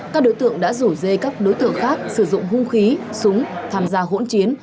các đối tượng đã rủ dê các đối tượng khác sử dụng hung khí súng tham gia hỗn chiến